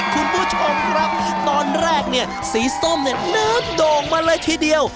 คุณผู้ชมครับตอนแรกเนี่ยสีส้มเนี่ยเนื้อโด่งมาเลยทีเดียว